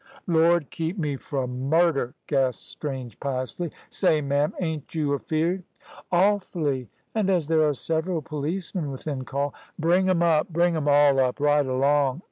"Lord keep me fro' murder," gasped Strange, piously. "Say, ma'am, ain't you afeared?" "Awfully! And as there are several policemen within call " "Bring 'em up bring 'em all up, right along."